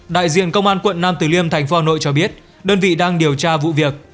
đại diện công an quận nam từ liêm thành phố hà nội cho biết đơn vị đang điều tra vụ việc